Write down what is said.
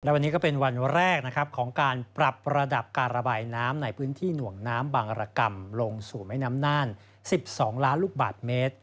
วันนี้ก็เป็นวันแรกนะครับของการปรับระดับการระบายน้ำในพื้นที่หน่วงน้ำบางอรกรรมลงสู่แม่น้ำน่าน๑๒ล้านลูกบาทเมตร